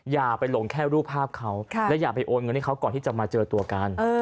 อย่าไปลงแค่รูปภาพเขาและอย่าไปโอนเงินให้เขาก่อนที่จะมาเจอตัวกัน